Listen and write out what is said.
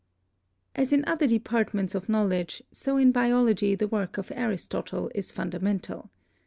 As in other departments of knowledge, so in biology the work of Aristotle is fundamental.